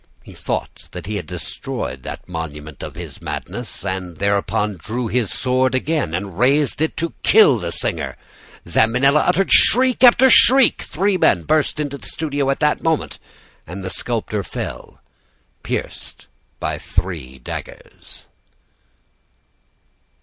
He thought that he had destroyed that monument of his madness, and thereupon he drew his sword again, and raised it to kill the singer. Zambinella uttered shriek after shriek. Three men burst into the studio at that moment, and the sculptor fell, pieced by three daggers.